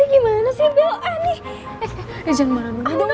gue n patrol sama kamu semua